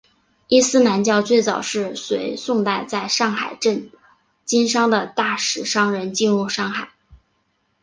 伊斯兰教最早是随宋代在上海镇经商的大食商人进入上海。